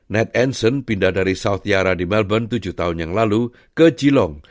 ned anson pindah dari south yara di melbourne tujuh tahun yang lalu ke geelong